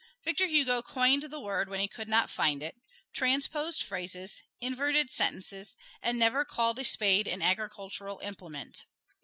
Victor Hugo coined the word when he could not find it, transposed phrases, inverted sentences, and never called a spade an agricultural implement.